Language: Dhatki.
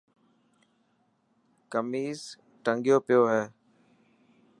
کميس ٽنگيو پيو هي.